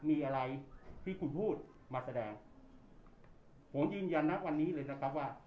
มีอะไรที่คุณพูดมาแสดงผมยืนยันนะวันนี้เลยนะครับว่า